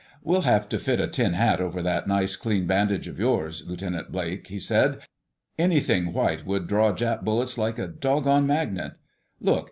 "We'll have to fit a tin hat over that nice, clean bandage of yours, Lieutenant Blake," he said. "Anything white would draw Jap bullets like a doggone magnet.... Look.